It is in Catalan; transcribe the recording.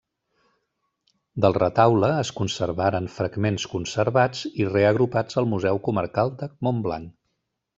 Del retaule es conservaren fragments conservats i reagrupats al Museu Comarcal de Montblanc.